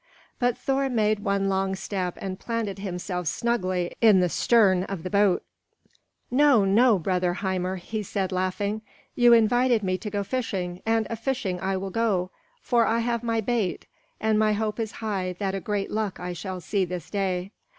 But Thor made one long step and planted himself snugly in the stern of the boat. "No, no, brother Hymir," he said, laughing. "You invited me to go fishing, and a fishing I will go; for I have my bait, and my hope is high that great luck I shall see this day."